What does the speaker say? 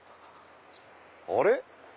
あれ？